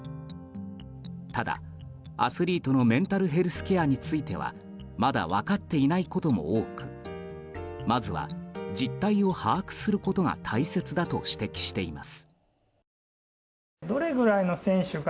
ただ、アスリートのメンタルヘルスケアについてはまだ分かっていないことも多くまずは、実態を把握することが大切だと指摘しています。